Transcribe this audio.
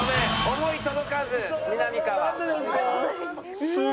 思い届かずみなみかわ。